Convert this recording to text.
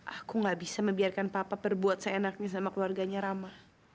aku gak bisa membiarkan papa berbuat seenaknya sama keluarganya ramah